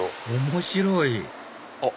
面白い！